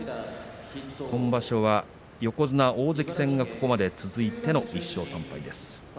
今場所は横綱、大関戦がここまで続いての１勝３敗です。